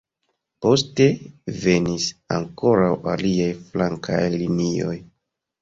Poste venis ankoraŭ aliaj flankaj linioj.